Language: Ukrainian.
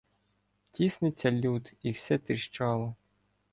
Тісниться люд і все тріщало.